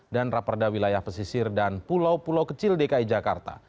dan raperda wilayah pesisir dan pulau pulau kecil dki jakarta